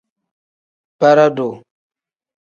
Bara-duu.